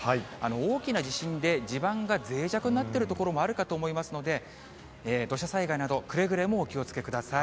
大きな地震で地盤が脆弱になっている所もあるかと思いますので、土砂災害など、くれぐれもお気をつけください。